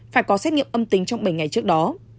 phải có xét nghiệm âm tính trong bảy ngày trước đó